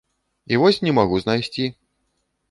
І вось не магу знайсці.